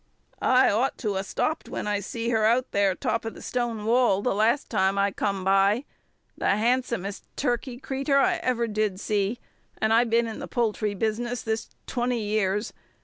"I ought to 'a' stopped when I see her out there top of the stone wall the last time I come by the handsomest turkey cretur I ever did see, and I've been in the poultry business this twenty years.